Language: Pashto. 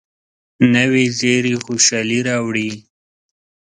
نوې زیري خوشالي راوړي